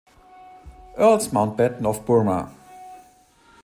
Earls Mountbatten of Burma.